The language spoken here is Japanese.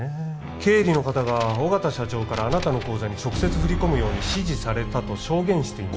経理の方が緒方社長からあなたの口座に直接振り込むように指示されたと証言しています